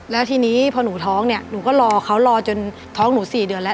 แล้วทีนี้พอหนูท้องเนี่ยหนูก็รอเขารอจนท้องหนู๔เดือนแล้ว